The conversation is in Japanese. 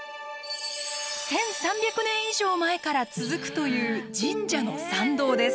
１，３００年以上前から続くという神社の参道です。